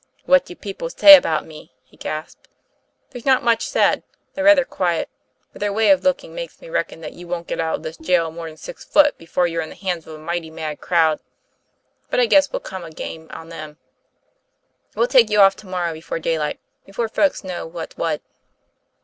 'What do the people say about me?" he gasped. "There's not much said; they're rather quiet. But their way of looking makes me reckon that you won't get out of this jail more'n six foot before you're in the hands of a mighty mad crowd. But I guess we'll come a game on them. We'll take you off to morrow before daylight, before folks know what's what."